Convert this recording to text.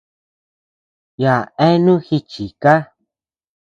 Yaʼa eanu jichikaa.